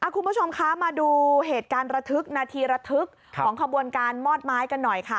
คุณผู้ชมคะมาดูเหตุการณ์ระทึกนาทีระทึกของขบวนการมอดไม้กันหน่อยค่ะ